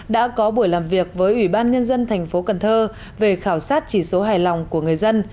đã có buổi làm việc với ủy ban nhân dân thành phố cần thơ về khảo sát chỉ số hài lòng của người dân